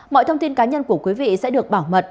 mọi thông tin cá nhân của quý vị sẽ được bảo mật